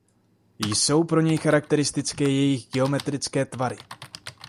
Jsou pro něj charakteristické jejich geometrické tvary.